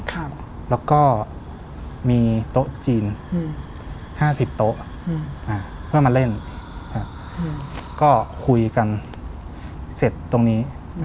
แล้วก็มีโต๊ะจีน๕๐โต๊ะเพื่อมาเล่นก็คุยกันเสร็จตรงนี้